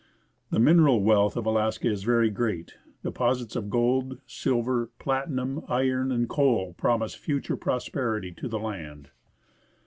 The mineral wealth of Alaska is very great. Deposits of gold, silver, platinum, iron, and coal promise future prosperity to the land.